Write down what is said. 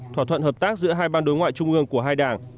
thỏa thuận hợp tác giữa hai ban đối ngoại trung ương của hai đảng